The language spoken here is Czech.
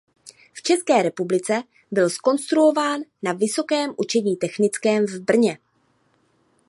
V České republice byl zkonstruován na Vysokém učení technickém v Brně.